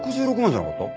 じゃなかった？